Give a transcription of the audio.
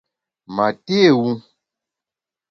Ma té wu !